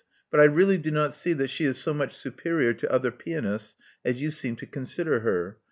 But I really do not see that she is so much superior to other pianists as you seem to consider her.